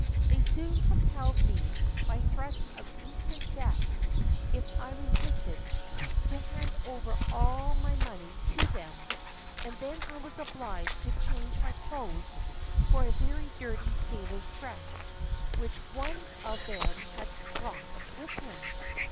They soon compelled me, by threats of instant death if I resisted, to hand over all my money to them, and then I was obliged to change my clothes for a very dirty sailor's dress which one of them had brought with him.